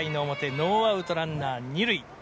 ノーアウトランナー２塁。